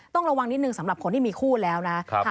ต้องระวังนิดนึงสำหรับคนที่มีคู่แล้วนะ